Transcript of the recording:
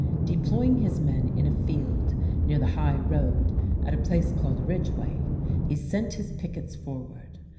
Deploying his men in a field near the high road at a place called Ridgway, he sent his pickets forward.